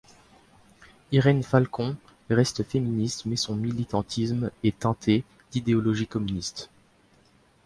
Irene Falcón reste féministe mais sont militantisme est teinté d'idéologie communiste.